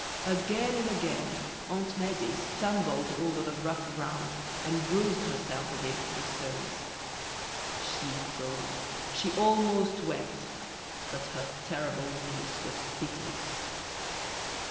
Again and again, Aunt Medea stumbled over the rough ground, and bruised herself against the stones; she groaned, she almost wept, but her terrible niece was pitiless.